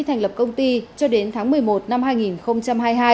thành lập công ty cho đến tháng một mươi một năm